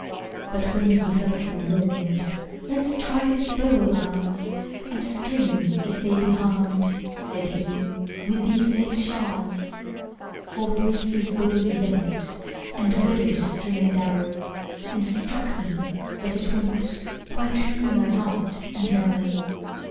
But when he felt him warm'd: Let's try this bow of ours, And string, if they be harm'd, Said he, with these late showers. Forthwith his bow he bent, And wedded string and arrow, And struck me, that it went Quite through my heart and marrow.